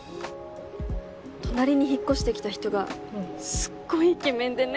隣に引っ越してきた人がすっごいイケメンでね。